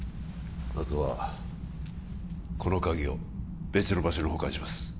あとはこの鍵を別の場所に保管します